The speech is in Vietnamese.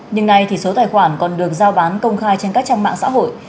nhưng nay số tài khoản còn được giao bán công khai trên các trang mạng xã hội